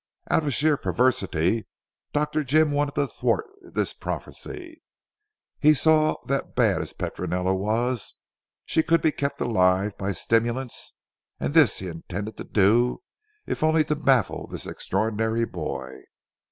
Out of sheer perversity Dr. Jim wanted to thwart this prophecy. He saw that bad as Petronella was, she could be kept alive by stimulants, and this he intended to do, if only to baffle this extraordinary boy.